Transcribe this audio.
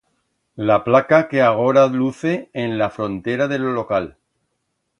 La placa que agora luce en la frontera de lo local.